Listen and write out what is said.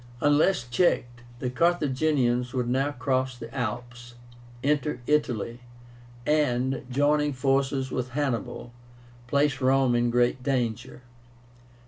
Unless checked, the Carthaginians would now cross the Alps, enter Italy, and, joining forces with Hannibal, place Rome in great danger.